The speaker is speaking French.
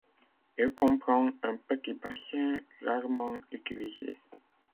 Il comprend un petit bassin rarement utilisé.